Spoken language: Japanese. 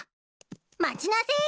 待ちなせい！